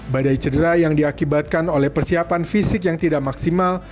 badai cedera yang diakibatkan oleh persiapan fisik yang tidak maksimal